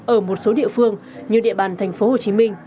ở một số địa phương như địa bàn tp hcm